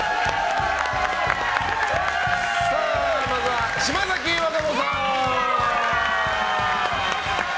まずは島崎和歌子さん！